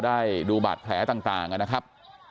ได้ดูบาดแผลต่างนะครับ